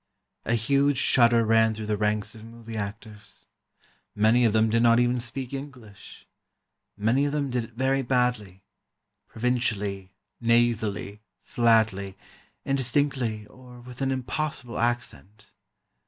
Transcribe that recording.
A huge shudder ran through the ranks of movie actors. Many of them did not even speak English. Many of them did it very badly—provincially, nasally, flatly, indistinctly, or with an impossible accent.